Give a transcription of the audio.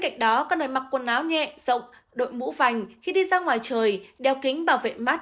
cạnh đó cần phải mặc quần áo nhẹ rộng đội mũ vành khi đi ra ngoài trời đeo kính bảo vệ mát